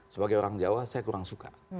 sebagai orang jawa saya kurang suka